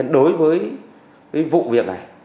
đối với vụ việc này